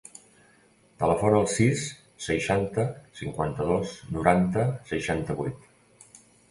Telefona al sis, seixanta, cinquanta-dos, noranta, seixanta-vuit.